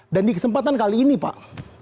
dan di kesempatan kali ini pak